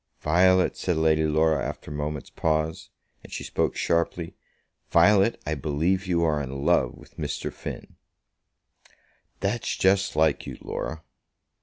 "Violet," said Lady Laura, after a moment's pause; and she spoke sharply; "Violet, I believe you are in love with Mr. Finn." "That's just like you, Laura."